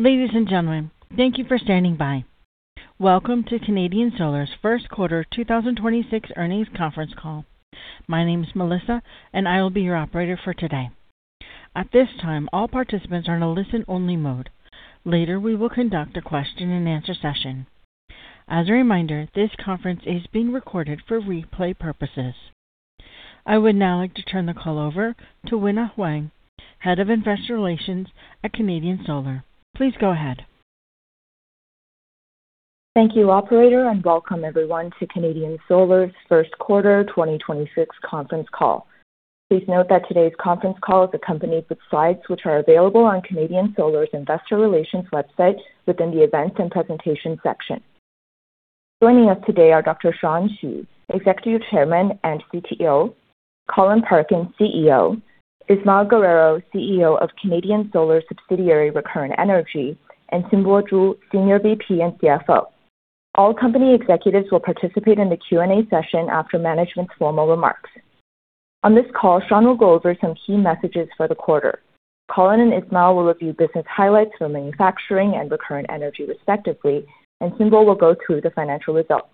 Ladies and gentlemen, thank you for standing by. Welcome to Canadian Solar's first quarter 2026 earnings conference call. My name is Melissa, and I will be your operator for today. At this time, all participants are in a listen-only mode. Later, we will conduct a question-and-answer session. As a reminder, this conference is being recorded for replay purposes. I would now like to turn the call over to Wina Huang, Head of Investor Relations at Canadian Solar. Please go ahead. Thank you, operator, and welcome everyone to Canadian Solar's first quarter 2026 conference call. Please note that today's conference call is accompanied with slides which are available on Canadian Solar's investor relations website within the Events and Presentation section. Joining us today are Dr. Shawn Qu, Executive Chairman and CTO, Colin Parkin, CEO, Ismael Guerrero, CEO of Canadian Solar subsidiary Recurrent Energy, and Xinbo Zhu, Senior VP and CFO. All company executives will participate in the Q&A session after management's formal remarks. On this call, Shawn will go over some key messages for the quarter. Colin and Ismael will review business highlights for manufacturing and Recurrent Energy respectively, and Xinbo will go through the financial results.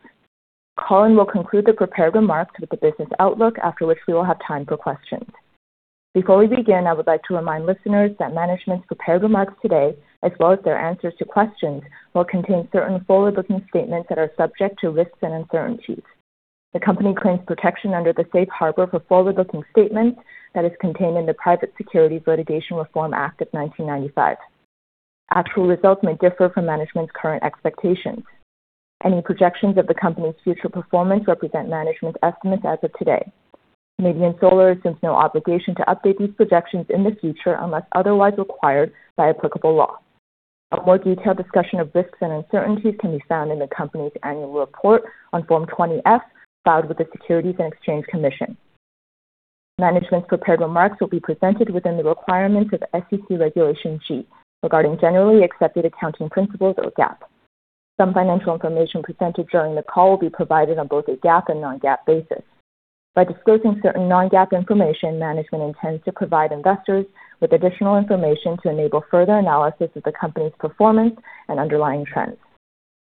Colin will conclude the prepared remarks with the business outlook, after which we will have time for questions. Before we begin, I would like to remind listeners that management's prepared remarks today, as well as their answers to questions, will contain certain forward-looking statements that are subject to risks and uncertainties. The company claims protection under the safe harbor for forward-looking statements that is contained in the Private Securities Litigation Reform Act of 1995. Actual results may differ from management's current expectations. Any projections of the company's future performance represent management's estimates as of today. Canadian Solar assumes no obligation to update these projections in the future unless otherwise required by applicable law. A more detailed discussion of risks and uncertainties can be found in the company's annual report on Form 20-F filed with the Securities and Exchange Commission. Management's prepared remarks will be presented within the requirements of SEC Regulation G regarding generally accepted accounting principles or GAAP. Some financial information presented during the call will be provided on both a GAAP and non-GAAP basis. By disclosing certain non-GAAP information, management intends to provide investors with additional information to enable further analysis of the company's performance and underlying trends.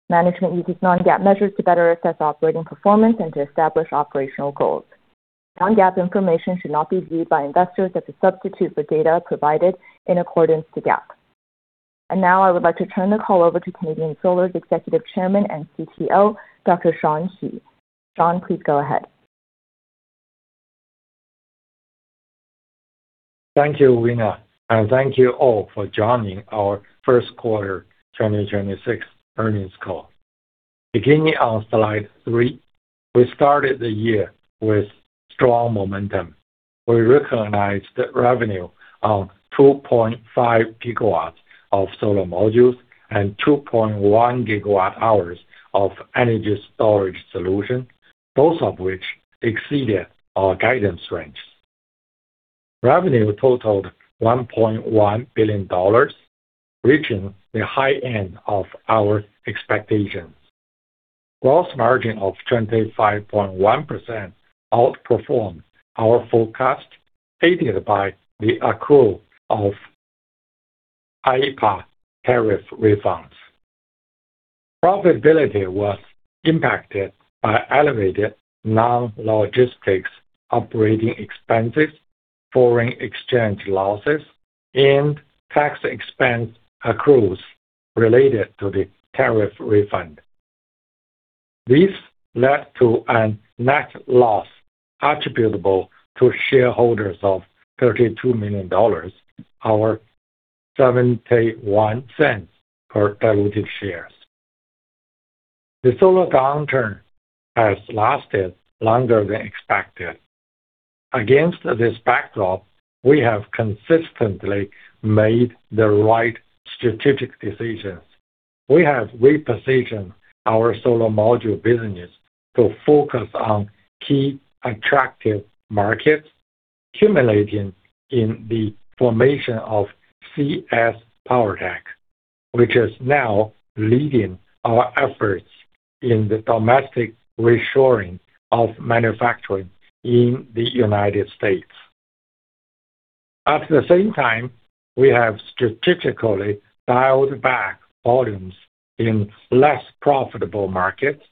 Management uses non-GAAP measures to better assess operating performance and to establish operational goals. Non-GAAP information should not be viewed by investors as a substitute for data provided in accordance to GAAP. Now I would like to turn the call over to Canadian Solar's Executive Chairman and CTO, Dr. Shawn Qu. Shawn, please go ahead. Thank you, Wina, and thank you all for joining our first quarter 2026 earnings call. Beginning on slide thee, we started the year with strong momentum. We recognized revenue on 2.5 GW of solar modules and 2.1 GW hours of energy storage solution, both of which exceeded our guidance range. Revenue totaled $1.1 billion, reaching the high end of our expectations. Gross margin of 25.1% outperformed our forecast, aided by the accrual of IEEPA tariff refunds. Profitability was impacted by elevated non-logistics operating expenses, foreign exchange losses, and tax expense accruals related to the tariff refund. This led to a net loss attributable to shareholders of $32 million, or $0.71 per diluted shares. The solar downturn has lasted longer than expected. Against this backdrop, we have consistently made the right strategic decisions. We have repositioned our solar module business to focus on key attractive markets, culminating in the formation of CS PowerTech, which is now leading our efforts in the domestic reshoring of manufacturing in the U.S. At the same time, we have strategically dialed back volumes in less profitable markets,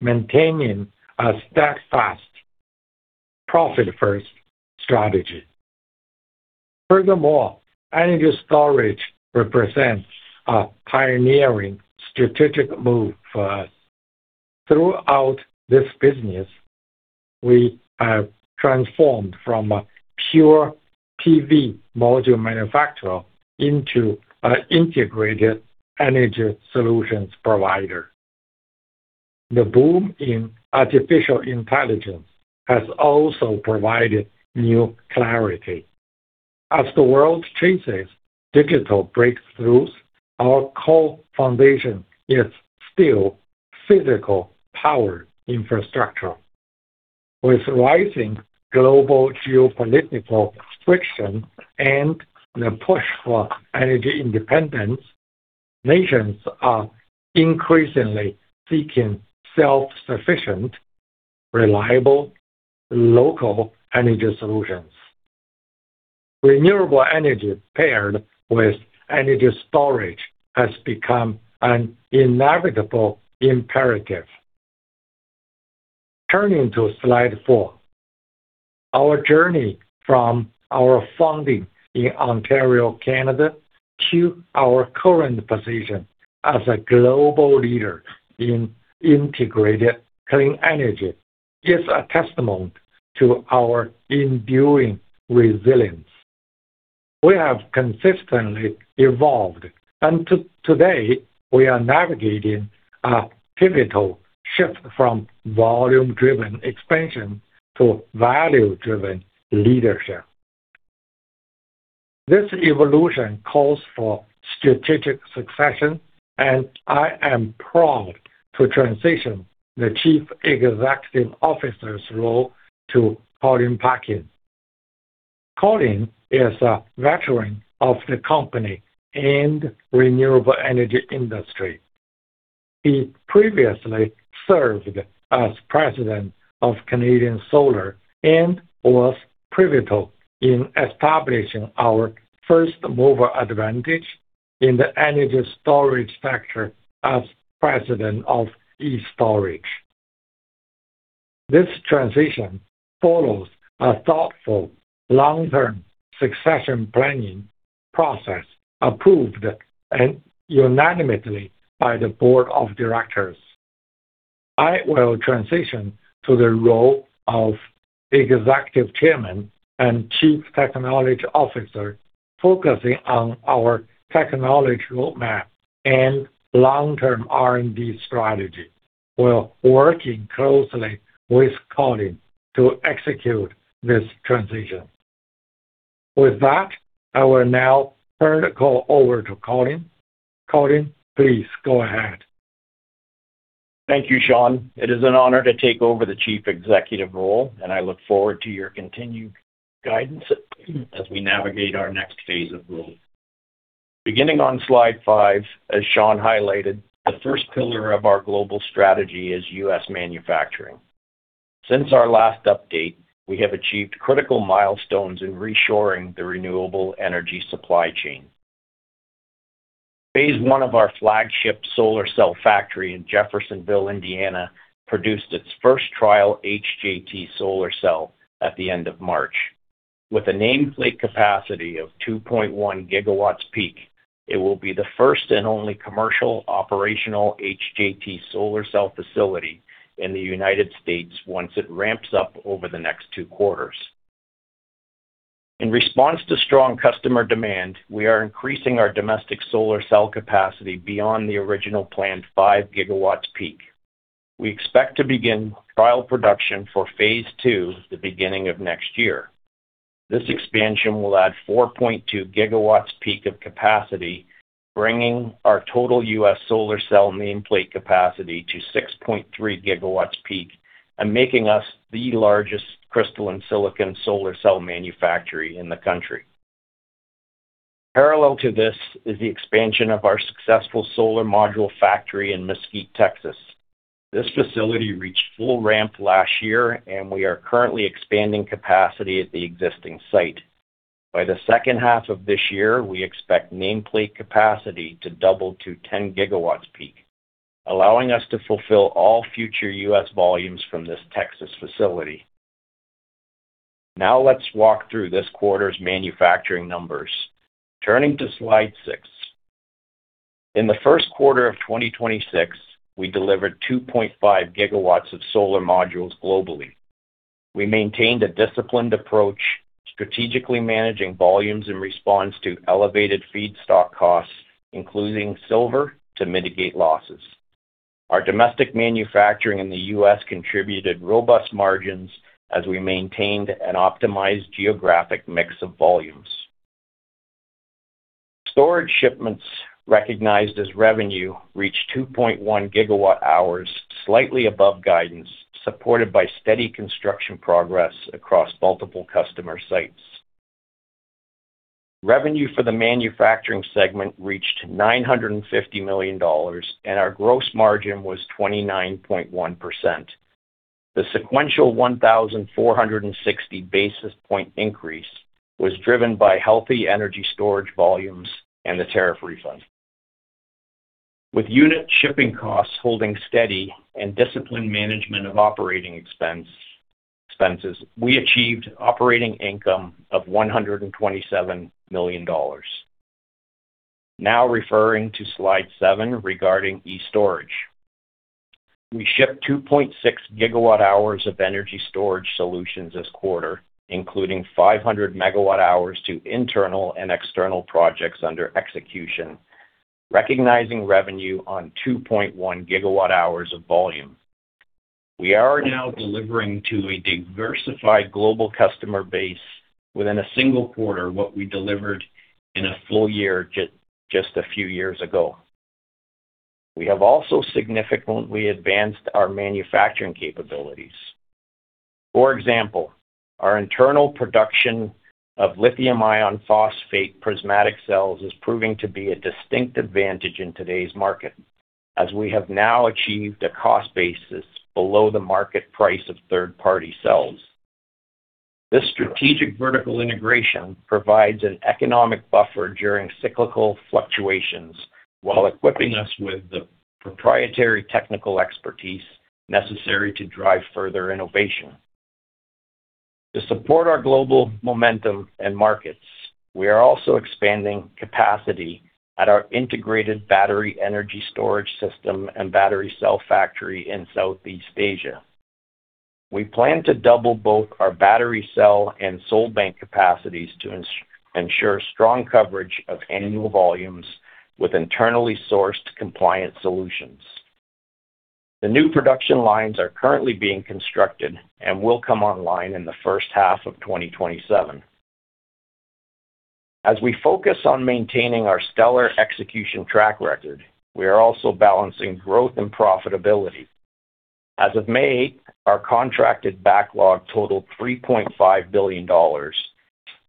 maintaining a steadfast profit-first strategy. Furthermore, energy storage represents a pioneering strategic move for us. Throughout this business, we have transformed from a pure PV module manufacturer into an integrated energy solutions provider. The boom in artificial intelligence has also provided new clarity. As the world chases digital breakthroughs, our core foundation is still physical power infrastructure. With rising global geopolitical friction and the push for energy independence, nations are increasingly seeking self-sufficient, reliable, local energy solutions. Renewable energy paired with energy storage has become an inevitable imperative. Turning to slide four, our journey from our founding in Ontario, Canada, to our current position as a global leader in integrated clean energy is a testament to our enduring resilience. Today, we are navigating a pivotal shift from volume-driven expansion to value-driven leadership. This evolution calls for strategic succession. I am proud to transition the Chief Executive Officer's role to Colin Parkin. Colin is a veteran of the company and renewable energy industry. He previously served as President of Canadian Solar and was pivotal in establishing our first mover advantage in the energy storage sector as President of e-STORAGE. This transition follows a thoughtful long-term succession planning process approved, and unanimously by the board of directors. I will transition to the role of Executive Chairman and Chief Technology Officer, focusing on our technology roadmap and long-term R&D strategy, while working closely with Colin to execute this transition. With that, I will now turn the call over to Colin. Colin, please go ahead. Thank you, Shawn. It is an honor to take over the chief executive role, and I look forward to your continued guidance as we navigate our next phase of growth. Beginning on slide five, as Shawn highlighted, the first pillar of our global strategy is U.S. manufacturing. Since our last update, we have achieved critical milestones in reshoring the renewable energy supply chain. Phase one of our flagship solar cell factory in Jeffersonville, Indiana, produced its first trial HJT solar cell at the end of March. With a nameplate capacity of 2.1 GW peak, it will be the first and only commercial operational HJT solar cell facility in the United States once it ramps up over the next 2 quarters. In response to strong customer demand, we are increasing our domestic solar cell capacity beyond the original planned 5 GW peak. We expect to begin trial production for phase 2 the beginning of next year. This expansion will add 4.2 GW peak of capacity, bringing our total U.S. solar cell nameplate capacity to 6.3 GW peak and making us the largest crystalline silicon solar cell manufacturer in the country. Parallel to this is the expansion of our successful solar module factory in Mesquite, Texas. This facility reached full ramp last year, and we are currently expanding capacity at the existing site. By the second half of this year, we expect nameplate capacity to double to 10 GW peak, allowing us to fulfill all future U.S. volumes from this Texas facility. Now let's walk through this quarter's manufacturing numbers. Turning to slide six. In the first quarter of 2026, we delivered 2.5 GW of solar modules globally. We maintained a disciplined approach, strategically managing volumes in response to elevated feedstock costs, including silver, to mitigate losses. Our domestic manufacturing in the U.S. contributed robust margins as we maintained an optimized geographic mix of volumes. Storage shipments recognized as revenue reached 2.1 GWh, slightly above guidance, supported by steady construction progress across multiple customer sites. Revenue for the manufacturing segment reached $950 million, and our gross margin was 29.1%. The sequential 1,460 basis point increase was driven by healthy energy storage volumes and the tariff refund. With unit shipping costs holding steady and disciplined management of operating expenses, we achieved operating income of $127 million. Now referring to slide seven regarding e-STORAGE. We shipped 2.6 GWh of energy storage solutions this quarter, including 500 MWh to internal and external projects under execution, recognizing revenue on 2.1 GWh of volume. We are now delivering to a diversified global customer base within a single quarter what we delivered in a full year just a few years ago. We have also significantly advanced our manufacturing capabilities. For example, our internal production of lithium iron phosphate prismatic cells is proving to be a distinct advantage in today's market. As we have now achieved a cost basis below the market price of third-party cells. This strategic vertical integration provides an economic buffer during cyclical fluctuations, while equipping us with the proprietary technical expertise necessary to drive further innovation. To support our global momentum and markets, we are also expanding capacity at our integrated battery energy storage system and battery cell factory in Southeast Asia. We plan to double both our battery cell and SolBank capacities to ensure strong coverage of annual volumes with internally sourced compliant solutions. The new production lines are currently being constructed and will come online in the first half of 2027. As we focus on maintaining our stellar execution track record, we are also balancing growth and profitability. As of May, our contracted backlog totaled $3.5 billion,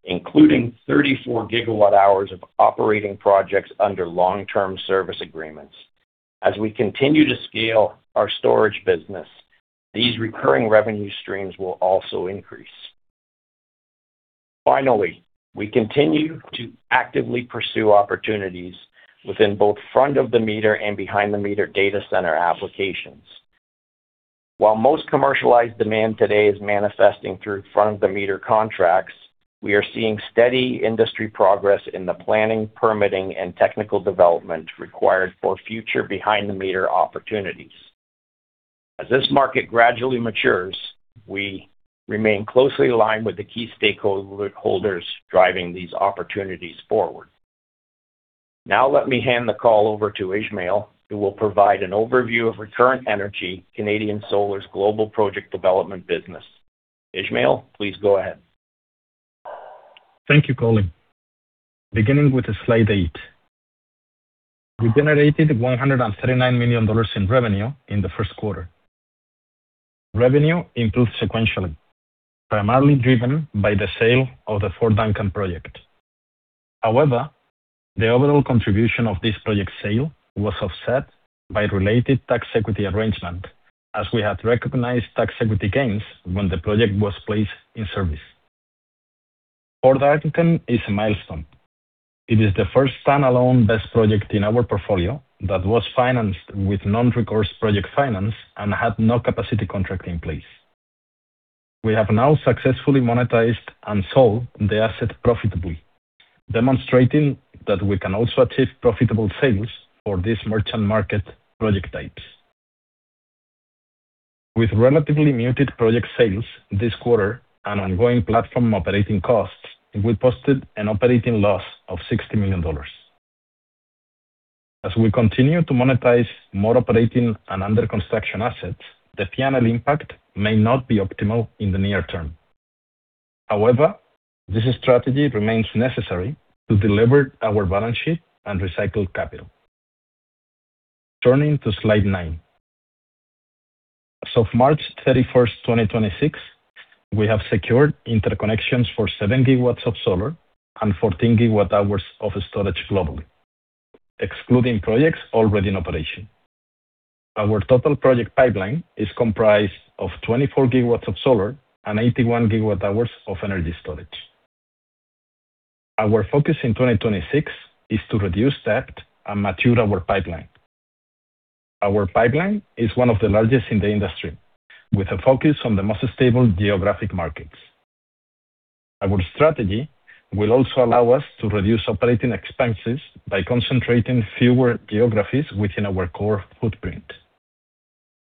including 34 GWh of operating projects under long-term service agreements. As we continue to scale our storage business, these recurring revenue streams will also increase. Finally, we continue to actively pursue opportunities within both front of the meter and behind the meter data center applications. While most commercialized demand today is manifesting through front of the meter contracts, we are seeing steady industry progress in the planning, permitting, and technical development required for future behind-the-meter opportunities. As this market gradually matures, we remain closely aligned with the key stakeholders driving these opportunities forward. Now let me hand the call over to Ismael, who will provide an overview of Recurrent Energy, Canadian Solar's global project development business. Ismael, please go ahead. Thank you, Colin. Beginning with slide eight. We generated $139 million in revenue in the first quarter. Revenue improved sequentially, primarily driven by the sale of the Fort Duncan project. However, the overall contribution of this project sale was offset by related tax equity arrangement, as we had recognized tax equity gains when the project was placed in service. Fort Duncan is a milestone. It is the first standalone BESS project in our portfolio that was financed with non-recourse project finance and had no capacity contract in place. We have now successfully monetized and sold the asset profitably, demonstrating that we can also achieve profitable sales for these merchant market project types. With relatively muted project sales this quarter and ongoing platform operating costs, we posted an operating loss of $60 million. As we continue to monetize more operating and under construction assets, the P&L impact may not be optimal in the near term. This strategy remains necessary to deliver our balance sheet and recycle capital. Turning to slide nine. As of March 31st, 2026, we have secured interconnections for 7 GW of solar and 14 GWh of storage globally, excluding projects already in operation. Our total project pipeline is comprised of 24 GW of solar and 81 GWh of energy storage. Our focus in 2026 is to reduce debt and mature our pipeline. Our pipeline is one of the largest in the industry, with a focus on the most stable geographic markets. Our strategy will also allow us to reduce operating expenses by concentrating fewer geographies within our core footprint.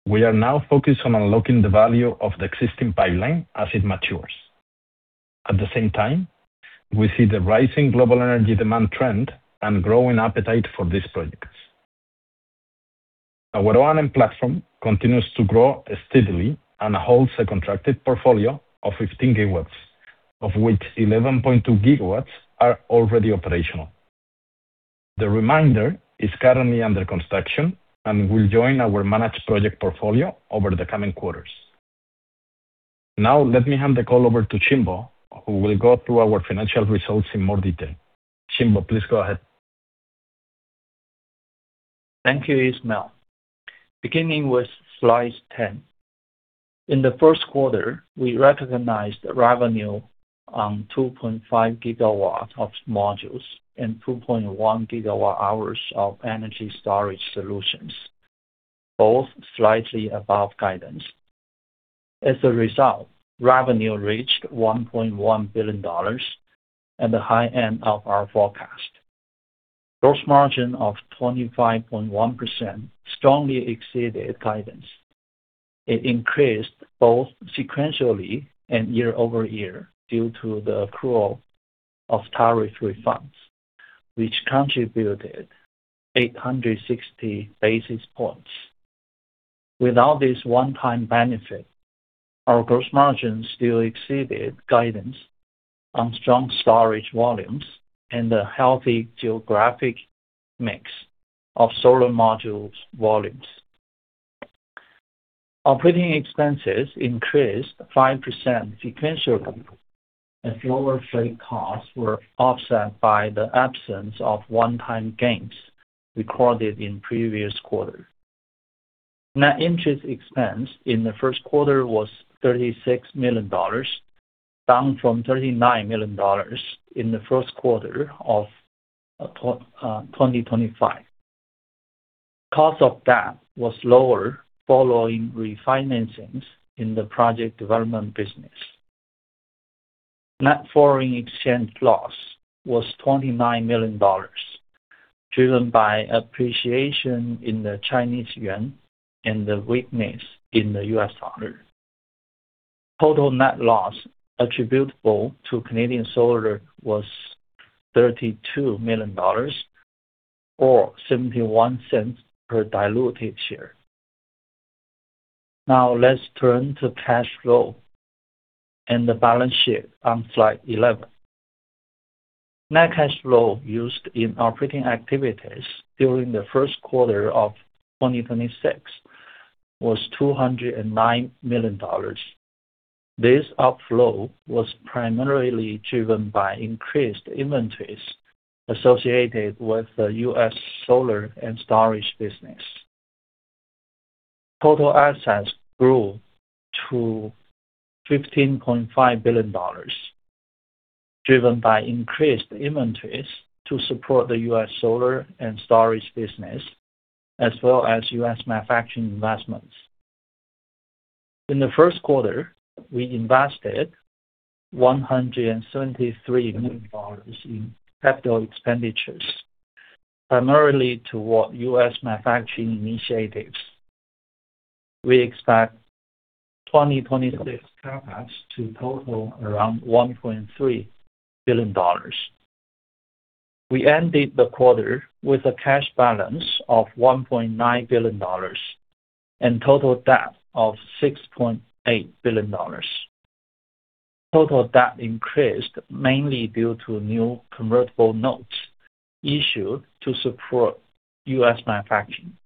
We are now focused on unlocking the value of the existing pipeline as it matures. At the same time, we see the rising global energy demand trend and growing appetite for these projects. Our O&M platform continues to grow steadily and holds a contracted portfolio of 15 GW, of which 11.2 GW are already operational. The remainder is currently under construction and will join our managed project portfolio over the coming quarters. Now let me hand the call over to Xinbo, who will go through our financial results in more detail. Xinbo, please go ahead. Thank you, Ismael. Beginning with slide 10. In the first quarter, we recognized revenue on 2.5 GW of modules and 2.1 GW hours of energy storage solutions, both slightly above guidance. As a result, revenue reached $1.1 billion at the high end of our forecast. Gross margin of 25.1% strongly exceeded guidance. It increased both sequentially and year-over-year due to the accrual of tariff refunds, which contributed 860 basis points. Without this one-time benefit, our gross margin still exceeded guidance on strong storage volumes and a healthy geographic mix of solar modules volumes. Operating expenses increased 5% sequentially as lower freight costs were offset by the absence of one-time gains recorded in previous quarters. Net interest expense in the first quarter was $36 million, down from $39 million in the first quarter of 2025. Cost of debt was lower following refinancings in the project development business. Net foreign exchange loss was $29 million, driven by appreciation in the Chinese yuan and the weakness in the U.S. dollar. Total net loss attributable to Canadian Solar was $32 million or $0.71 per diluted share. Let's turn to cash flow and the balance sheet on slide 11. Net cash flow used in operating activities during the first quarter of 2026 was $209 million. This upflow was primarily driven by increased inventories associated with the U.S. solar and storage business. Total assets grew to $15.5 billion, driven by increased inventories to support the U.S. solar and storage business as well as U.S. manufacturing investments. In the first quarter, we invested $173 million in capital expenditures, primarily toward U.S. manufacturing initiatives. We expect 2026 CapEx to total around $1.3 billion. We ended the quarter with a cash balance of $1.9 billion and total debt of $6.8 billion. Total debt increased mainly due to new convertible notes issued to support U.S. manufacturing.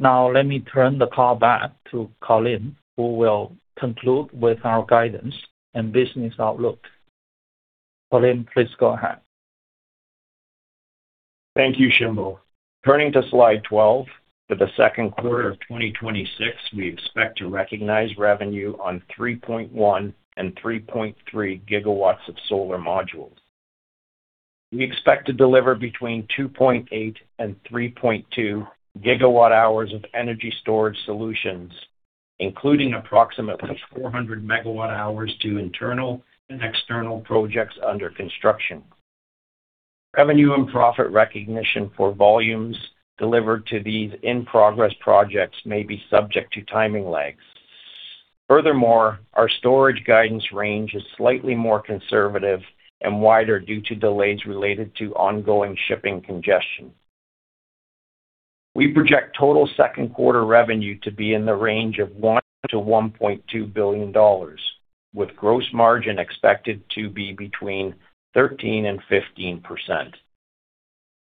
Let me turn the call back to Colin, who will conclude with our guidance and business outlook. Colin, please go ahead. Thank you, Xinbo Zhu. Turning to slide 12, for the 2Q of 2026, we expect to recognize revenue on 3.1 and 3.3 GW of solar modules. We expect to deliver between 2.8 and 3.2 GWh of energy storage solutions, including approximately 400 MWh to internal and external projects under construction. Revenue and profit recognition for volumes delivered to these in-progress projects may be subject to timing lags. Our storage guidance range is slightly more conservative and wider due to delays related to ongoing shipping congestion. We project total 2Q revenue to be in the range of $1 billion-$1.2 billion, with gross margin expected to be between 13% and 15%.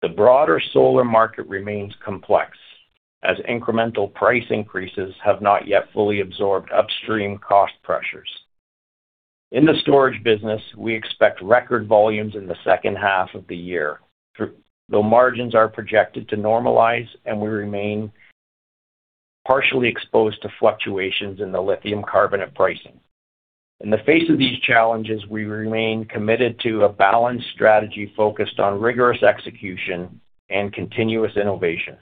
The broader solar market remains complex as incremental price increases have not yet fully absorbed upstream cost pressures. In the storage business, we expect record volumes in the second half of the year, though margins are projected to normalize, and we remain partially exposed to fluctuations in the lithium carbonate pricing. In the face of these challenges, we remain committed to a balanced strategy focused on rigorous execution and continuous innovation.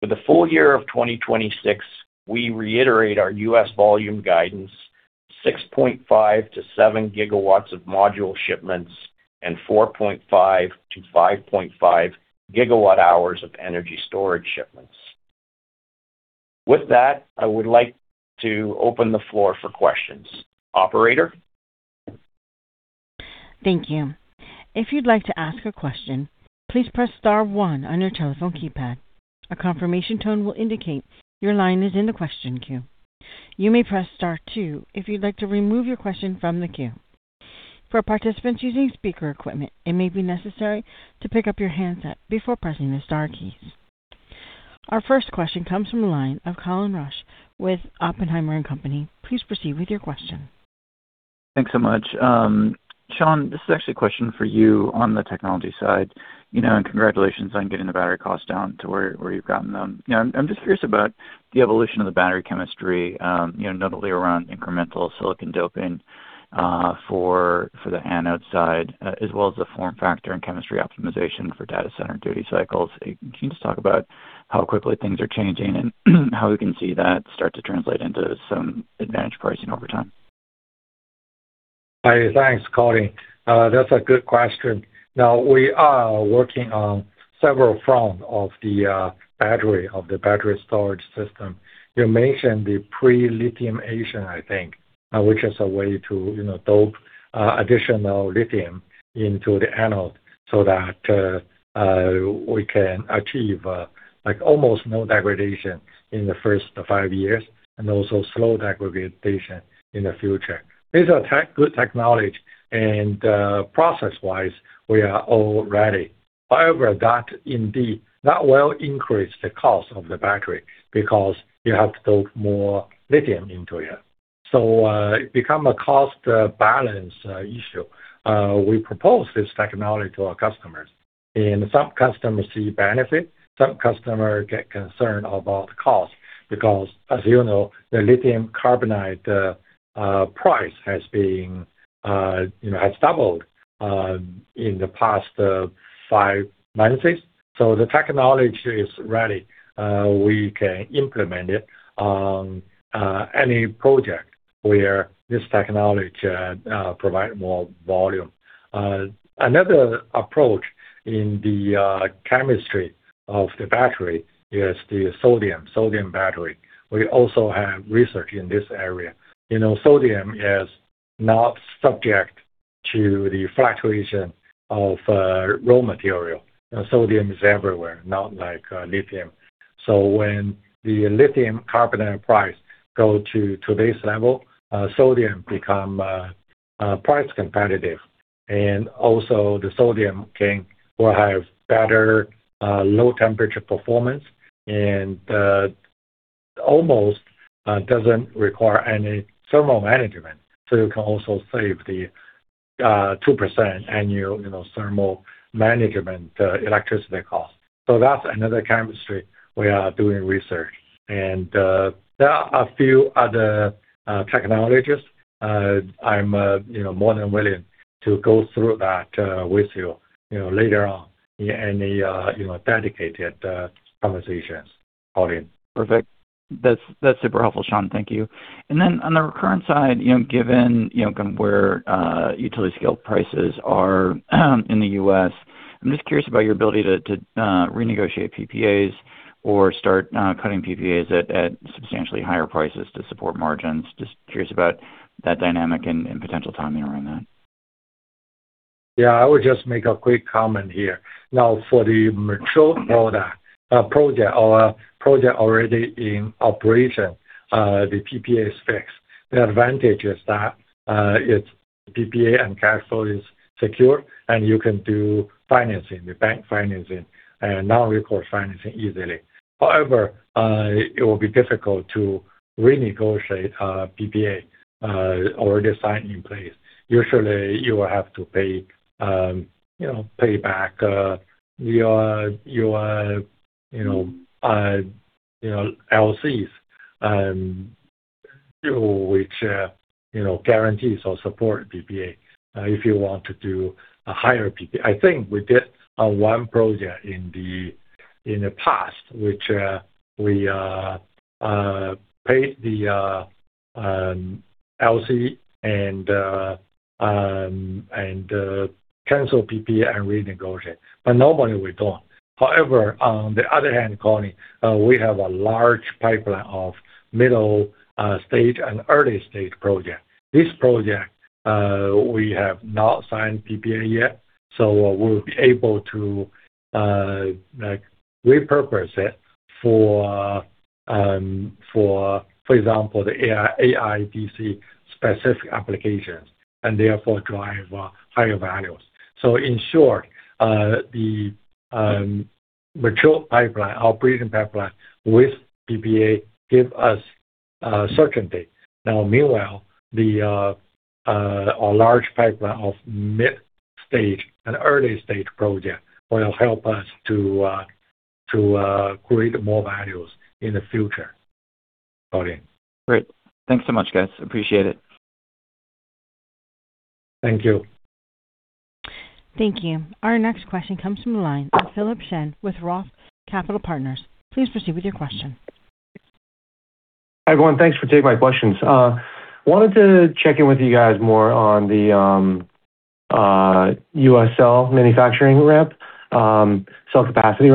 For the full year of 2026, we reiterate our U.S. volume guidance, 6.5-7 GW of module shipments and 4.5-5.5 GWh of energy storage shipments. With that, I would like to open the floor for questions. Operator? Thank you. If you'd like to ask a question, please press star one on your telephone keypad. A confirmation tone will indicate your line is in the question queue. You may press star two if you'd like to remove your question from the queue. For participants using speaker equipment, it may be necessary to pick up your handset before pressing the star keys. Our first question comes from the line of Colin Rusch with Oppenheimer & Co. Please proceed with your question. Thanks so much. Shawn, this is actually a question for you on the technology side, you know, congratulations on getting the battery costs down to where you've gotten them. You know, I'm just curious about the evolution of the battery chemistry, you know, notably around incremental silicon doping for the anode side, as well as the form factor and chemistry optimization for data center duty cycles. Can you just talk about how quickly things are changing and how we can see that start to translate into some advantage pricing over time? Yeah. Thanks, Colin. That's a good question. Now, we are working on several front of the battery storage system. You mentioned the pre-lithiation, I think, which is a way to, you know, dope additional lithium into the anode so that we can achieve like almost no degradation in the first five years and also slow degradation in the future. These are good technology and process-wise, we are all ready. However, that indeed, that will increase the cost of the battery because you have to build more lithium into it. It become a cost balance issue. We propose this technology to our customers, and some customers see benefit, some customer get concerned about the cost because as you know, the lithium carbonate price has been, you know, has doubled in the past five minus six. The technology is ready. We can implement it on any project where this technology can provide more volume. Another approach in the chemistry of the battery is the sodium-ion battery. We also have research in this area. You know, sodium is not subject to the fluctuation of raw material. You know, sodium is everywhere, not like lithium. When the lithium carbonate price go to today's level, sodium become price competitive. Also the sodium will have better low temperature performance and almost doesn't require any thermal management. You can also save the 2% annual, you know, thermal management electricity cost. That's another chemistry we are doing research. There are a few other technologies. I'm, you know, more than willing to go through that with you know, later on in any, you know, dedicated conversations, Colin. Perfect. That's super helpful, Shawn. Thank you. Then on the Recurrent side, you know, given, you know, kind of where utility scale prices are in the U.S., I'm just curious about your ability to renegotiate PPAs or start cutting PPAs at substantially higher prices to support margins. Just curious about that dynamic and potential timing around that. I would just make a quick comment here. Now for the mature product, project already in operation, the PPA is fixed. The advantage is that, it's PPA and cash flow is secure, and you can do financing, the bank financing, and non-recourse financing easily. However, it will be difficult to renegotiate a PPA already signed in place. Usually, you will have to pay, you know, pay back, your, you know, LCs through which, you know, guarantees or support PPA, if you want to do a higher PPA. I think we did one project in the past which we paid the LC and cancel PPA and renegotiate. Normally we don't. On the other hand, Colin, we have a large pipeline of middle stage and early-stage project. This project, we have not signed PPA yet, so we'll be able to, like, repurpose it for example, the AI-DC specific applications and therefore drive higher values. In short, the mature pipeline, operating pipeline with PPA give us certainty. Meanwhile, the large pipeline of mid stage and early stage project will help us to create more values in the future. Colin. Great. Thanks so much, guys. Appreciate it. Thank you. Thank you. Our next question comes from the line of Philip Shen with Roth Capital Partners. Please proceed with your question. Hi, everyone. Thanks for taking my questions. Wanted to check in with you guys more on the US cell manufacturing ramp, cell capacity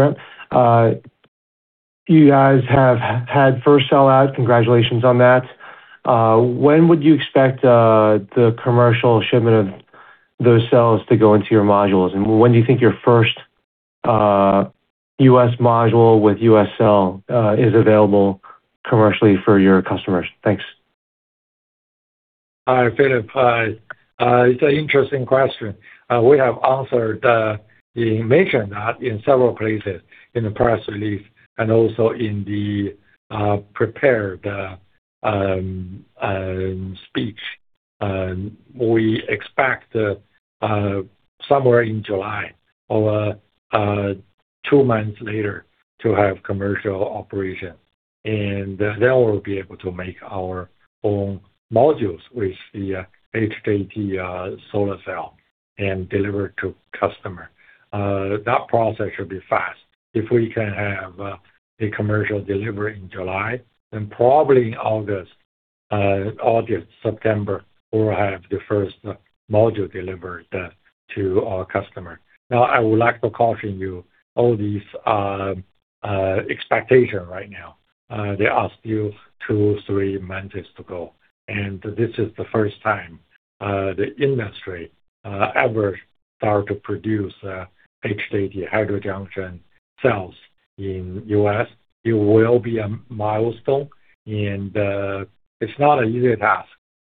ramp. You guys have had first cell out. Congratulations on that. When would you expect the commercial shipment of those cells to go into your modules? When do you think your first US module with US cell is available commercially for your customers? Thanks. Hi, Philip. It's an interesting question. We have answered, we mentioned that in several places in the press release and also in the prepared speech. We expect somewhere in July or two months later to have commercial operations. Then we'll be able to make our own modules with the HJT solar cell and deliver to customer. That process should be fast. If we can have a commercial delivery in July, then probably in August, September, we'll have the first module delivered to our customer. I would like to caution you, all these expectation right now, they are still two, three months to go. This is the first time the industry ever start to produce HJT, heterojunction cells in U.S. It will be a milestone and, it's not an easy task.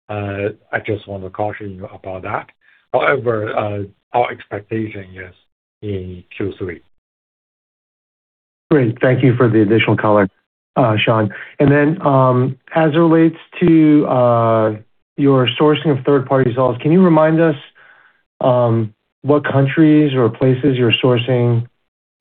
I just want to caution you about that. However, our expectation is in Q3. Great. Thank you for the additional color, Shawn Qu. As it relates to your sourcing of third-party cells, can you remind us what countries or places you're sourcing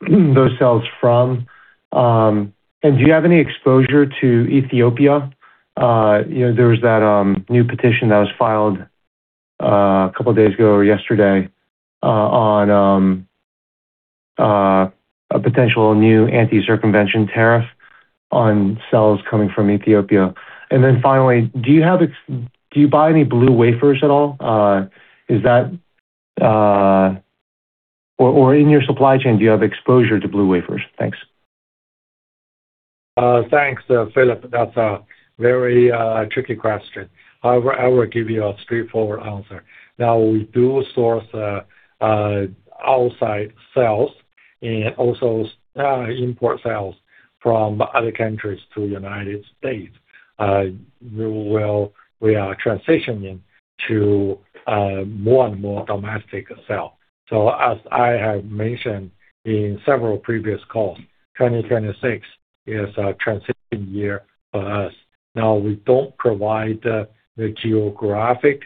those cells from? Do you have any exposure to Ethiopia? You know, there was that new petition that was filed a couple days ago or yesterday on a potential new anti-circumvention tariff on cells coming from Ethiopia. Finally, do you buy any blue wafers at all? Is that or in your supply chain, do you have exposure to blue wafers? Thanks. Thanks, Philip. That's a very tricky question. However, I will give you a straightforward answer. Now, we do source outside cells and also import cells from other countries to U.S. We are transitioning to more and more domestic cell. As I have mentioned in several previous calls, 2026 is a transition year for us. Now, we don't provide the geographic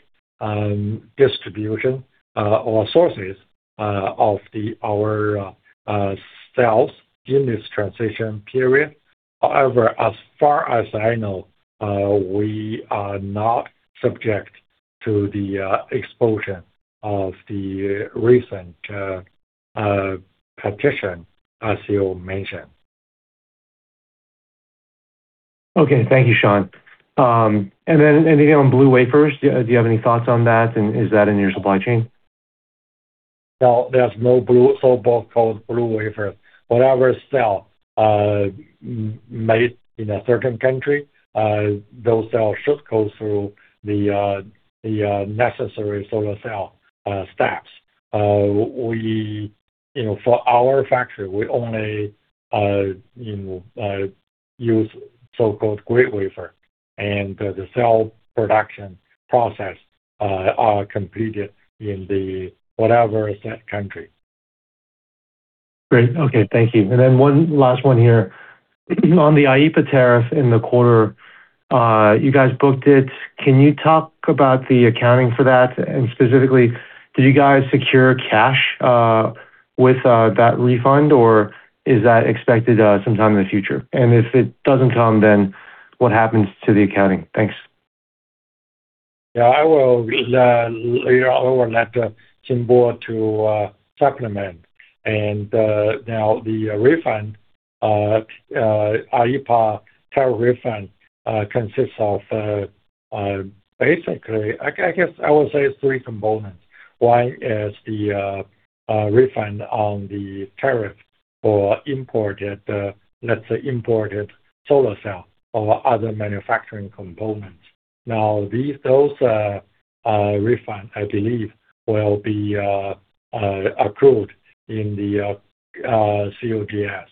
distribution or sources of our cells in this transition period. However, as far as I know, we are not subject to the exposure of the recent petition, as you mentioned. Okay. Thank you, Shawn. Anything on blue wafers? Do you have any thoughts on that, and is that in your supply chain? No, there's no blue so-called blue wafer. Whatever cell made in a certain country, those cells should go through the necessary solar cell steps. We, you know, for our factory, we only, you know, use so-called green wafer. The cell production process are completed in the whatever is that country. Great. Okay, thank you. One last one here. On the IEEPA tariff in the quarter, you guys booked it. Can you talk about the accounting for that? Specifically, did you guys secure cash with that refund, or is that expected sometime in the future? If it doesn't come, then what happens to the accounting? Thanks. Yeah, I will, you know, I will let Xinbo to supplement. Now the refund, IEEPA tariff refund, consists of, basically, I guess I would say three components. One is the refund on the tariff for imported, let's say imported solar cell or other manufacturing components. These, those refund, I believe will be approved in the COGS,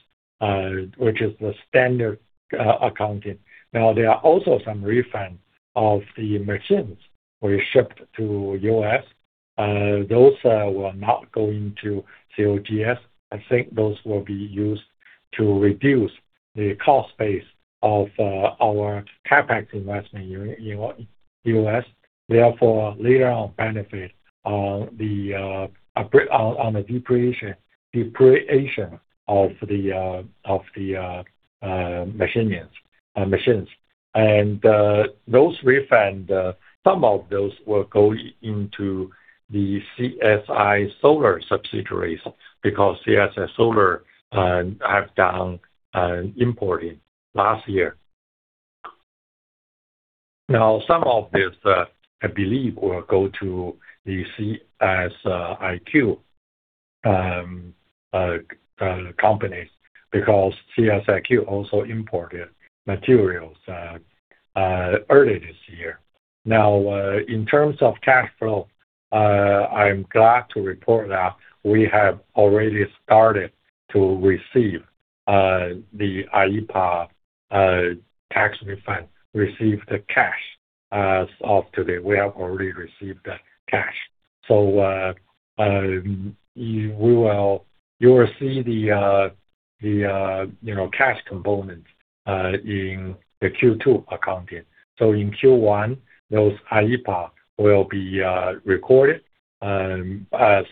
which is the standard accounting. There are also some refunds of the machines we shipped to U.S. Those will not go into COGS. I think those will be used to reduce the cost base of our CapEx investment in U.S. Therefore, later on benefit on the depreciation of the machineries, machines. Those refund, some of those will go into the CSI Solar subsidiaries because CSI Solar have done importing last year. Some of this, I believe will go to the CSIQ company because CSIQ also imported materials early this year. In terms of cash flow, I'm glad to report that we have already started to receive the IEEPA tax refund, receive the cash as of today. We have already received that cash. You will see the, you know, cash component in the Q2 accounting. In Q1, those IEEPA will be recorded. But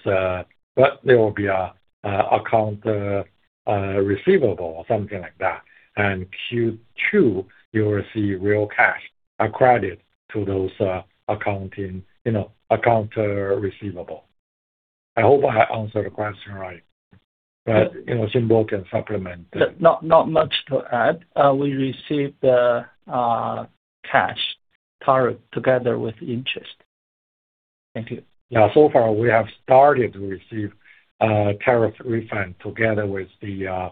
there will be a account receivable or something like that. Q2, you will see real cash, a credit to those, you know, account receivable. I hope I answered the question right. You know, Xinbo can supplement. Not much to add. We received the cash tariff together with interest. Thank you. Yeah. So far, we have started to receive tariff refund together with the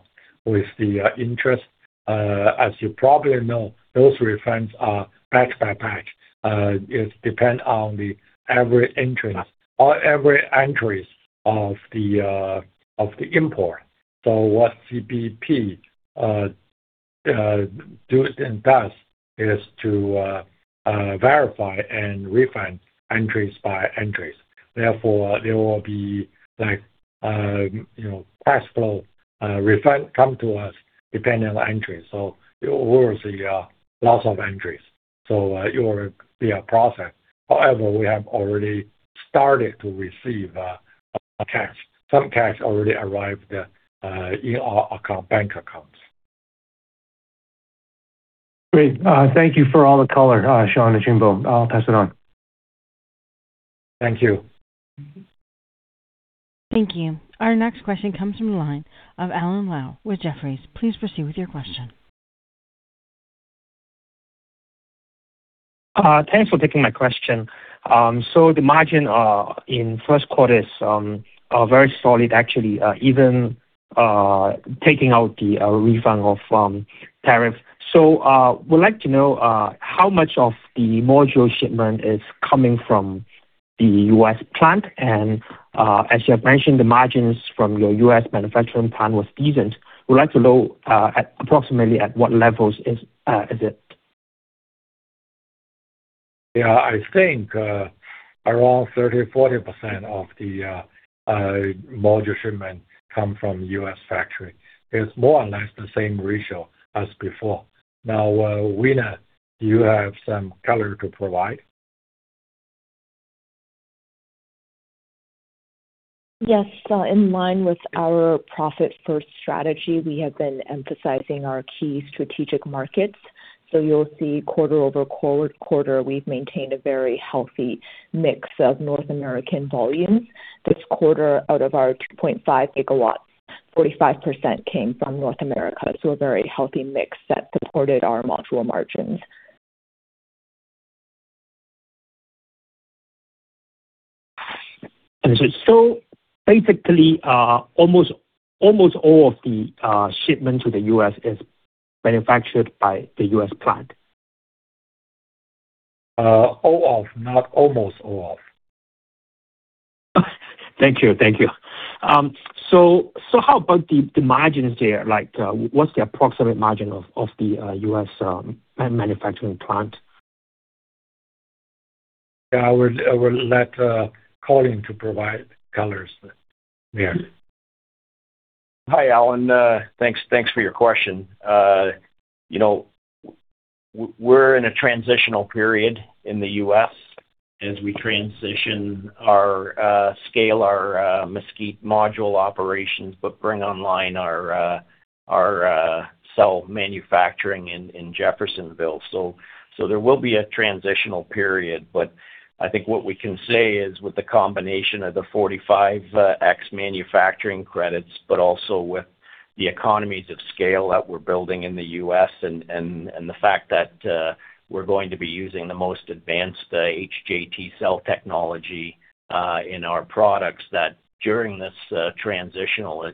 interest. As you probably know, those refunds are batch by batch. It depends on every entrance or every entry of the import. What CBP do's and don'ts is to verify and refund entries by entries. Therefore, there will be like, you know, cash flow refund come to us depending on the entry. It was a lots of entries. It will be a process. However, we have already started to receive cash. Some cash already arrived in our account, bank accounts. Great. Thank you for all the color, Shawn and Xinbo. I'll pass it on. Thank you. Thank you. Our next question comes from the line of Alan Lau with Jefferies. Please proceed with your question. Thanks for taking my question. The margin in first quarter is very solid actually, even taking out the refund of tariff. Would like to know how much of the module shipment is coming from the U.S. plant. As you have mentioned, the margins from your U.S. manufacturing plant was decent. We'd like to know at approximately at what levels is it? Yeah. I think, around 30%, 40% of the module shipment come from U.S. factory. It's more or less the same ratio as before. Wina, do you have some color to provide? Yes. In line with our profit first strategy, we have been emphasizing our key strategic markets. You'll see quarter-over-quarter, we've maintained a very healthy mix of North American volumes. This quarter, out of our 2.5 GW, 45% came from North America. A very healthy mix that supported our module margins. Understood. Basically, almost all of the shipment to the U.S. is manufactured by the U.S. plant. All of, not almost all. Thank you. Thank you. How about the margins there? Like, what's the approximate margin of the U.S. manufacturing plant? Yeah. I will let Colin to provide colors there. Hi, Alan. Thanks for your question. you know, we're in a transitional period in the U.S. as we transition our scale our Mesquite module operations, but bring online our cell manufacturing in Jeffersonville. There will be a transitional period. I think what we can say is with the combination of the 45X manufacturing credits, also with the economies of scale that we're building in the U.S. and the fact that we're going to be using the most advanced HJT cell technology in our products, that during this transitional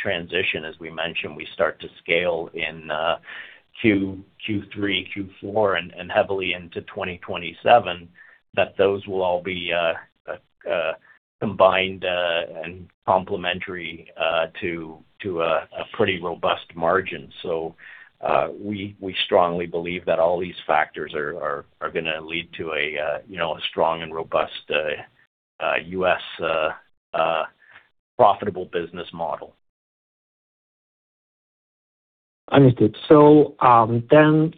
transition, as we mentioned, we start to scale in Q3, Q4, and heavily into 2027, that those will all be combined and complementary to a pretty robust margin. We strongly believe that all these factors are gonna lead to a, you know, a strong and robust, U.S., profitable business model. Understood. Then,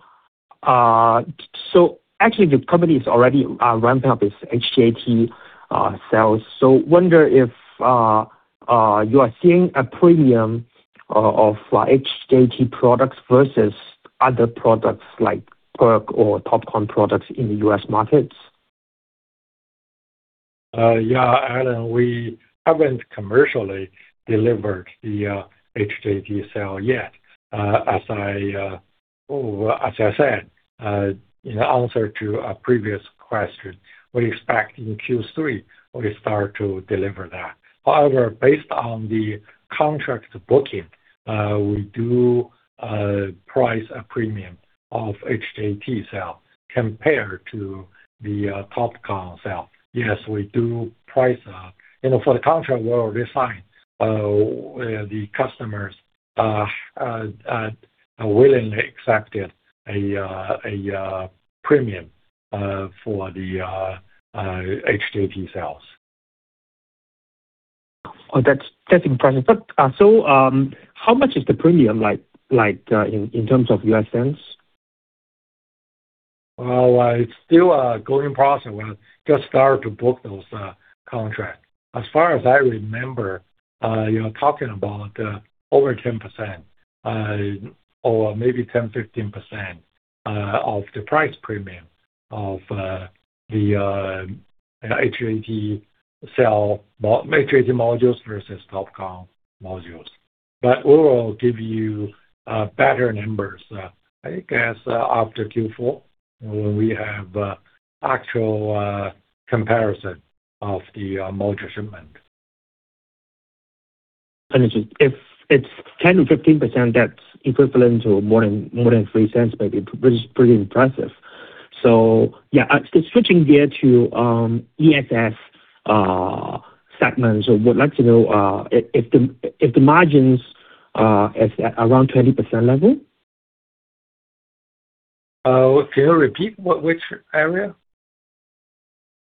actually the company is already ramped up its HJT cells. Wonder if you are seeing a premium of HJT products versus other products like PERC or TOPCon products in the U.S. markets. Yeah, Alan, we haven't commercially delivered the HJT cell yet. As I said, in answer to a previous question, we expect in Q3 we start to deliver that. However, based on the contract booking, we do price a premium of HJT cell compared to the TOPCon cell. Yes, we do price, you know, for the contract we already signed, the customers willingly accepted a premium for the HJT cells. That's impressive. How much is the premium like, in terms of U.S. cents? Well, it's still a ongoing process. We just start to book those contract. As far as I remember, you're talking about over 10% or maybe 10%-15% of the price premium of the HJT cell, HJT modules versus TOPCon modules. We'll give you better numbers, I guess, after Q4, when we have actual comparison of the module shipment. Understood. If it's 10%-15%, that's equivalent to more than $0.03 maybe, which is pretty impressive. Switching gear to ESS segments. Would like to know if the margins is at around 20% level? Can you repeat which area?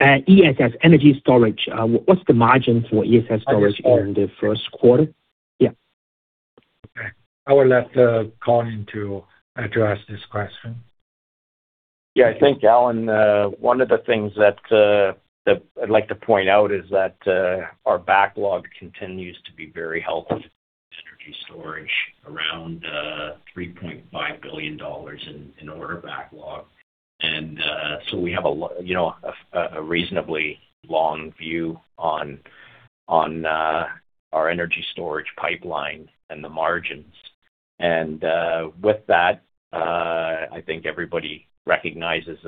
ESS, energy storage. What's the margins for ESS storage? Understood. -in the first quarter? Yeah. Okay. I will let Colin to address this question. Yeah. I think, Alan, one of the things that I'd like to point out is that our backlog continues to be very healthy. Energy storage around $3.5 billion in order backlog. We have you know, a reasonably long view on our energy storage pipeline and the margins. With that, I think everybody recognizes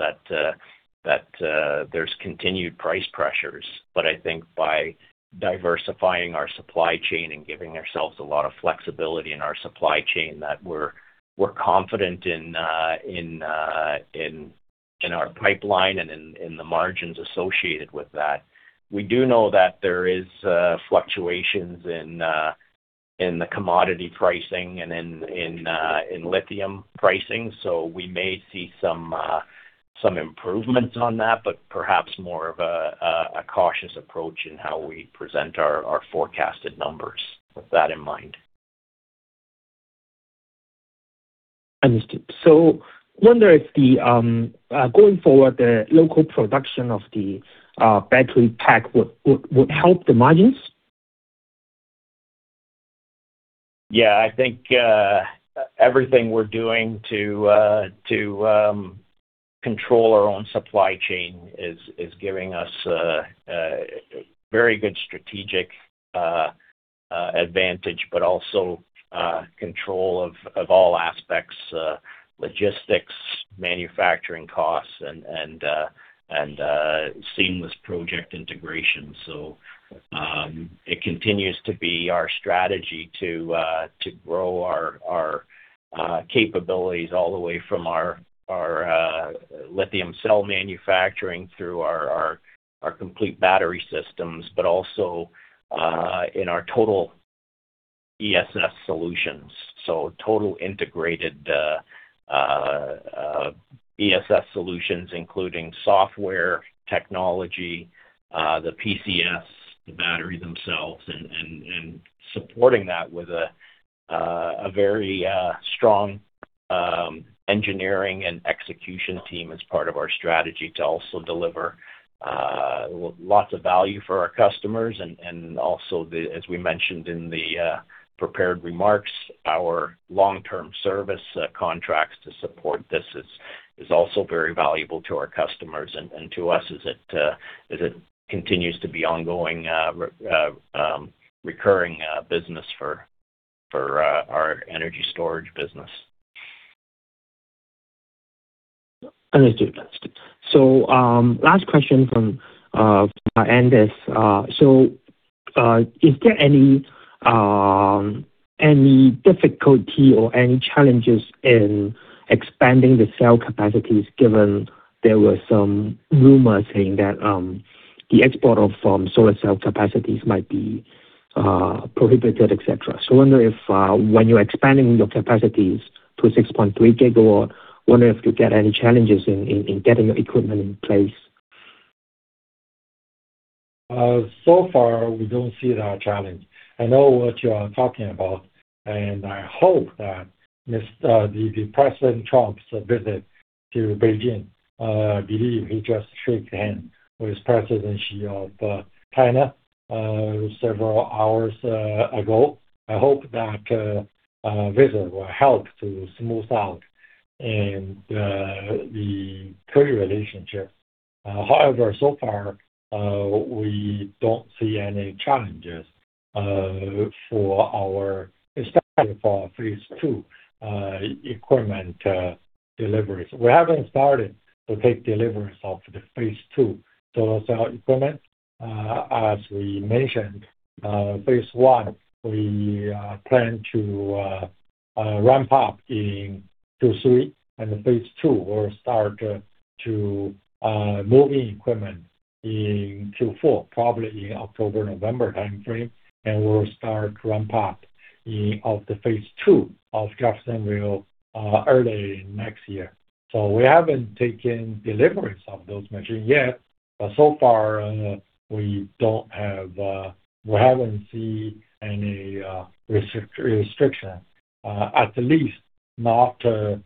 that there's continued price pressures. I think by diversifying our supply chain and giving ourselves a lot of flexibility in our supply chain, that we're confident in our pipeline and in the margins associated with that. We do know that there is fluctuations in the commodity pricing and in lithium pricing, so we may see some improvements on that, but perhaps more of a cautious approach in how we present our forecasted numbers with that in mind. Understood. Wonder if the going forward, the local production of the battery pack would help the margins? I think everything we're doing to control our own supply chain is giving us very good strategic advantage, but also control of all aspects logistics, manufacturing costs and seamless project integration. It continues to be our strategy to grow our capabilities all the way from our lithium cell manufacturing through our complete battery systems, but also in our total ESS solutions. Total integrated ESS solutions, including software, technology, the PCS, the battery themselves and supporting that with a very strong engineering and execution team as part of our strategy to also deliver lots of value for our customers. Also the as we mentioned in the prepared remarks, our long-term service contracts to support this is also very valuable to our customers and to us as it continues to be ongoing, recurring business for our energy storage business. Understood. Understood. Last question from. Is there any difficulty or any challenges in expanding the cell capacities, given there were some rumors saying that the export of solar cell capacities might be prohibited, et cetera. I wonder if when you're expanding your capacities to 6.3 GW, wonder if you get any challenges in getting your equipment in place? So far, we don't see that challenge. I know what you are talking about, and I hope that this, the President Trump's visit to Beijing, I believe he just shake hand with President Xi of China, several hours ago. I hope that visit will help to smooth out and the trade relationship. However, so far, we don't see any challenges for our, especially for our phase two equipment deliveries. We haven't started to take delivery of the phase two solar cell equipment. As we mentioned, phase one, we plan to ramp up in 2023, and phase two will start to move in equipment in 2024, probably in October, November timeframe, and we'll start ramp up in of the phase two of Jeffersonville early next year. We haven't taken deliveries of those machines yet, but so far, we don't have, we haven't see any restriction, at least not to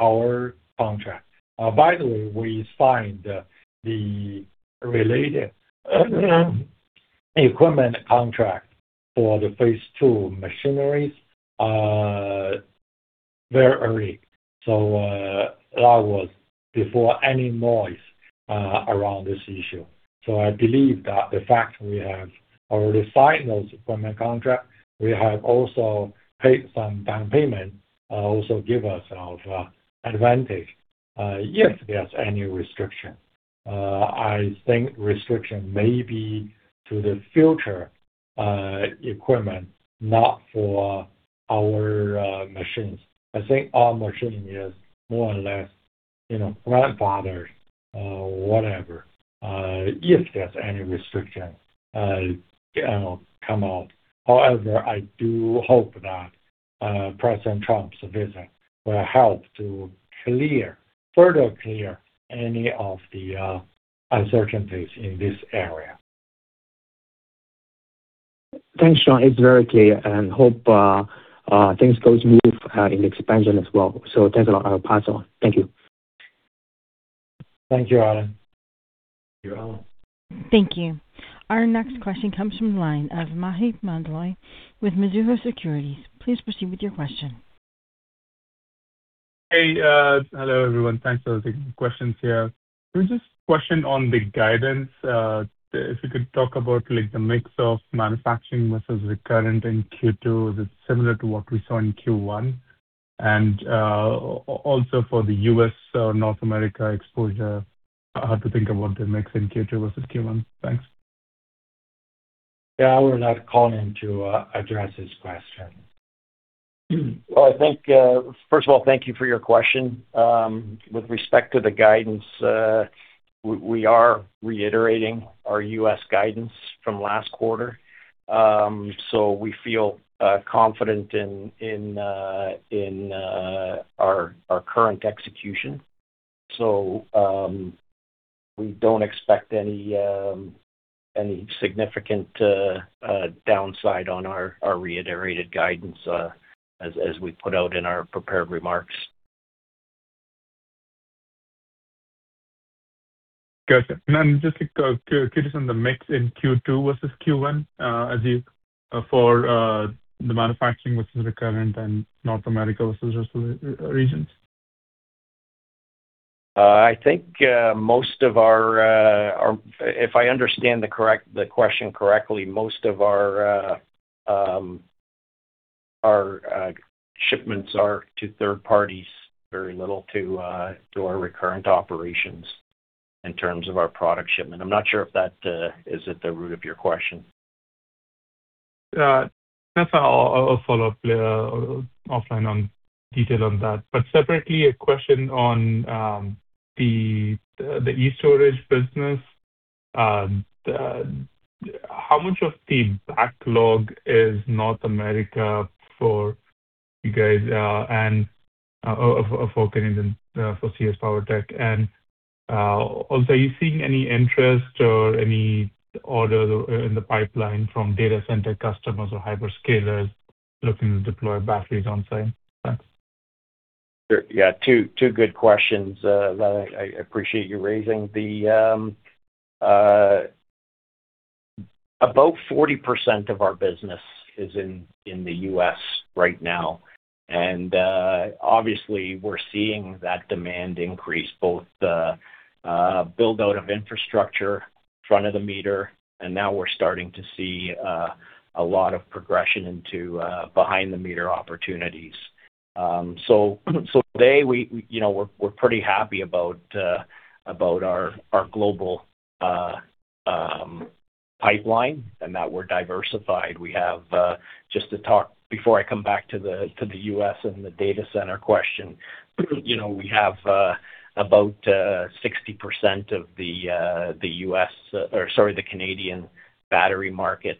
our contract. By the way, we signed the related, equipment contract for the phase two machineries very early. That was before any noise around this issue. I believe that the fact we have already signed those equipment contract, we have also paid some down payment, also give us of advantage, if there's any restriction. I think restriction may be to the future equipment, not for our machines. I think our machine is more or less, you know, grandfathered, whatever, if there's any restrictions, you know, come out. However, I do hope that President Trump's visit will help to further clear any of the uncertainties in this area. Thanks, Shawn. It's very clear and hope things goes smooth in expansion as well. Thanks a lot. I'll pass on. Thank you. Thank you, Alan. You're welcome. Thank you. Our next question comes from the line of Maheep Mandloi with Mizuho Securities. Please proceed with your question. Hey, hello, everyone. Thanks for taking the questions here. Can we just question on the guidance, if you could talk about, like, the mix of manufacturing versus Recurrent in Q2, is it similar to what we saw in Q1? Also for the U.S. or North America exposure, how to think about the mix in Q2 versus Q1? Thanks. Yeah. I will ask Colin to address this question. Well, I think, first of all, thank you for your question. With respect to the guidance, we are reiterating our U.S. guidance from last quarter. We feel confident in our current execution. We don't expect any significant downside on our reiterated guidance as we put out in our prepared remarks. Gotcha. Just to get you on the mix in Q2 versus Q1, for the manufacturing versus recurrent and North America versus rest of the regions. I think, if I understand the question correctly, most of our shipments are to third parties, very little to our recurrent operations in terms of our product shipment. I'm not sure if that is at the root of your question. That's all. I'll follow up offline on detail on that. Separately, a question on the e-STORAGE business. How much of the backlog is North America for you guys, and for Canadian, for CS PowerTech? Also, are you seeing any interest or any orders in the pipeline from data center customers or hyperscalers looking to deploy batteries on-site? Thanks. Sure. Yeah. Two good questions that I appreciate you raising. About 40% of our business is in the U.S. right now. Obviously, we're seeing that demand increase, both the build-out of infrastructure, front of the meter, and now we're starting to see a lot of progression into behind the meter opportunities. Today we, you know, we're pretty happy about our global pipeline and that we're diversified. We have, just to talk before I come back to the U.S. and the data center question, you know, we have about 60% of the U.S., or sorry, the Canadian battery market.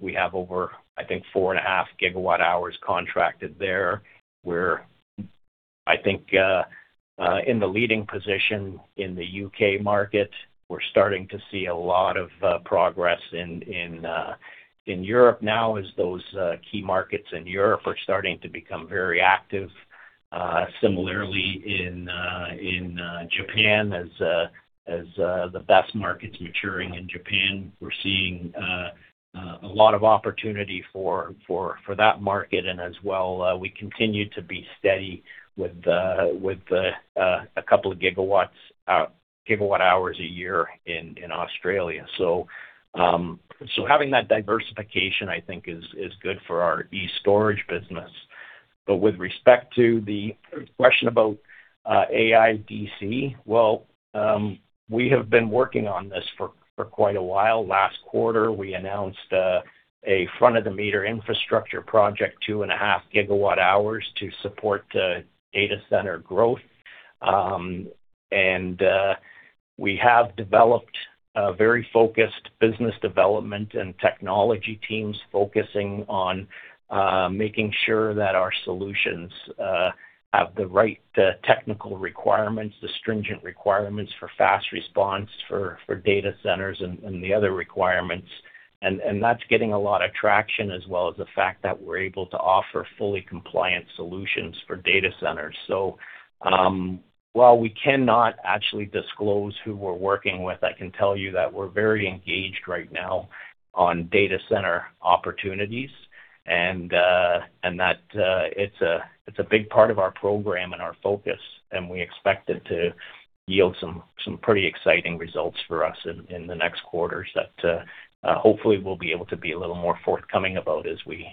We have over, I think, 4.5 GWh contracted there. We're, I think, in the leading position in the U.K. market. We're starting to see a lot of progress in Europe now as those key markets in Europe are starting to become very active. Similarly in Japan as the BESS market's maturing in Japan. We're seeing a lot of opportunity for that market. As well, we continue to be steady with 2 GW, GWh a year in Australia. Having that diversification, I think is good for our e-STORAGE business. With respect to the question about AI-DC, well, we have been working on this for quite a while. Last quarter, we announced a front-of-the-meter infrastructure project, 2.5 GWh, to support data center growth. We have developed a very focused business development and technology teams focusing on making sure that our solutions have the right technical requirements, the stringent requirements for fast response for data centers and the other requirements. That's getting a lot of traction, as well as the fact that we're able to offer fully compliant solutions for data centers. While we cannot actually disclose who we're working with, I can tell you that we're very engaged right now on data center opportunities, and that, it's a big part of our program and our focus, and we expect it to yield some pretty exciting results for us in the next quarters that, hopefully we'll be able to be a little more forthcoming about as we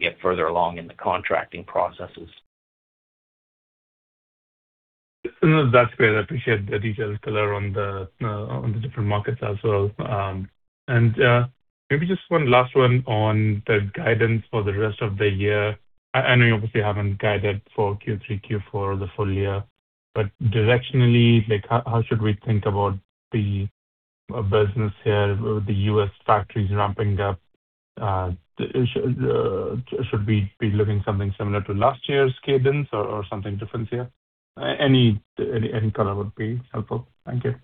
get further along in the contracting processes. No, that's fair. I appreciate the detailed color on the different markets as well. Maybe just one last one on the guidance for the rest of the year. I know you obviously haven't guided for Q3, Q4 or the full year, but directionally, like, how should we think about the business here with the U.S. factories ramping up? Should we be looking something similar to last year's cadence or something different here? Any color would be helpful. Thank you.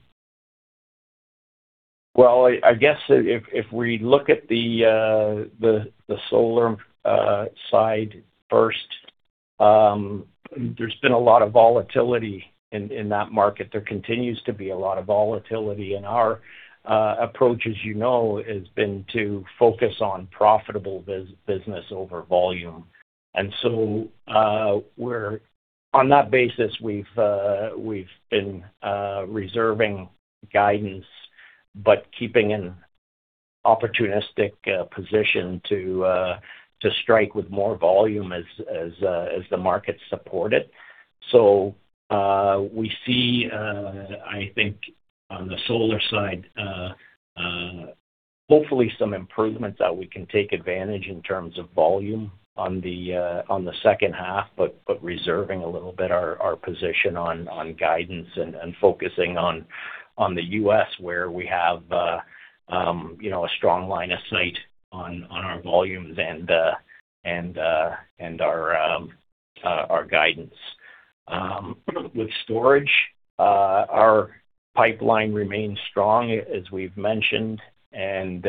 Well, I guess if we look at the solar side first, there's been a lot of volatility in that market. There continues to be a lot of volatility. Our approach, as you know, has been to focus on profitable business over volume. On that basis, we've been reserving guidance, but keeping an opportunistic position to strike with more volume as the market support it. We see, I think on the solar side, hopefully some improvements that we can take advantage in terms of volume on the second half, but reserving a little bit our position on guidance and focusing on the U.S. where we have, you know, a strong line of sight on our volumes and our guidance. With storage, our pipeline remains strong as we've mentioned, and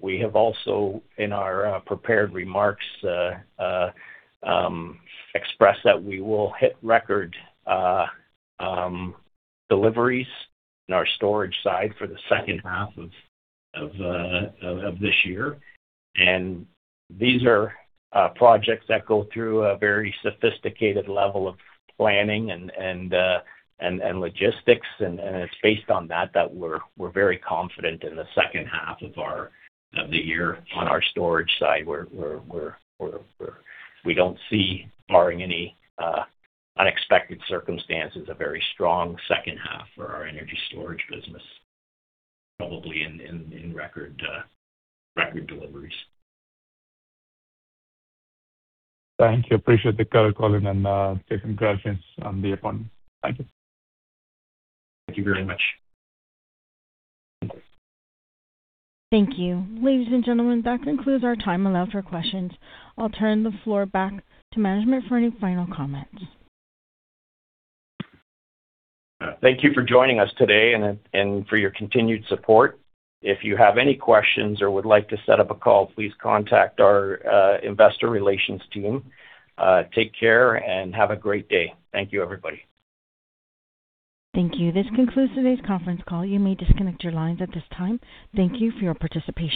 we have also, in our prepared remarks, expressed that we will hit record deliveries in our storage side for the second half of this year. These are projects that go through a very sophisticated level of planning and logistics, and it's based on that that we're very confident in the second half of the year on our storage side. We don't see barring any unexpected circumstances, a very strong second half for our energy storage business, probably in record deliveries. Thank you. Appreciate the color, Colin, and congratulations on the appointment. Thank you. Thank you very much. Thank you. Thank you. Ladies and gentlemen, that concludes our time allowed for questions. I'll turn the floor back to management for any final comments. Thank you for joining us today and for your continued support. If you have any questions or would like to set up a call, please contact our investor relations team. Take care and have a great day. Thank you, everybody. Thank you. This concludes today's conference call. You may disconnect your lines at this time. Thank you for your participation.